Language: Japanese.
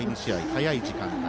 早い時間帯。